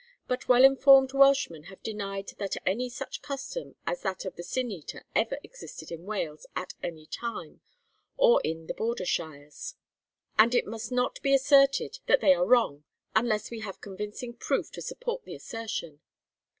But well informed Welshmen have denied that any such custom as that of the Sin eater ever existed in Wales at any time, or in the border shires; and it must not be asserted that they are wrong unless we have convincing proof to support the assertion.